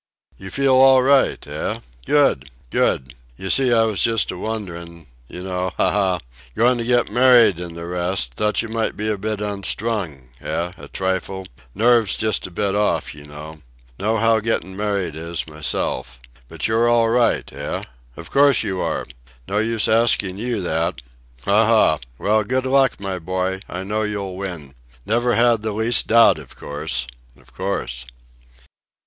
"You feel all right, eh? Good! Good! You see, I was just a wonderin' you know, ha! ha! goin' to get married and the rest thought you might be unstrung, eh, a trifle? nerves just a bit off, you know. Know how gettin' married is myself. But you're all right, eh? Of course you are. No use asking you that. Ha! ha! Well, good luck, my boy! I know you'll win. Never had the least doubt, of course, of course."